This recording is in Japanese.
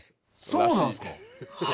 そうなんですか。